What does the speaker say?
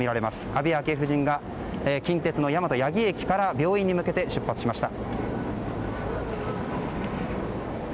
安倍昭恵夫人が近鉄大和八木駅から病院へ向けて出発しました。